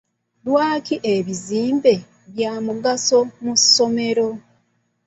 Lwaki ebizimbe bya mugaso mu ssomero?